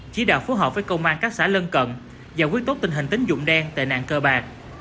chỉ đạo phối hợp với công an các xã lân cận giải quyết tốt tình hình tính dụng đen tệ nạn cơ bạc